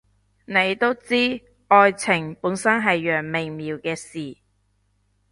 你都知，愛情本身係樣微妙嘅事